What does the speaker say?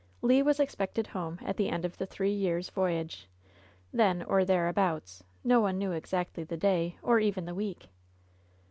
Le was expected home at the end of the three years voyage — ^then, or thereabouts, no one knew exactly the day, or even the week.